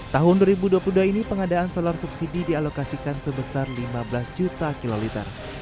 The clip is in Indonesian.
tahun dua ribu dua puluh dua ini pengadaan solar subsidi dialokasikan sebesar lima belas juta kiloliter